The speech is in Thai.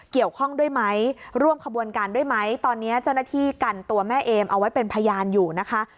เกี่ยวข้องด้วยไหมร่วมขบวนการด้วยไหมตอนนี้เจ้าหน้าที่กันตัวแม่เอมเอาไว้เป็นพยานอยู่นะคะ